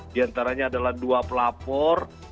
diantaranya adalah dua pelapor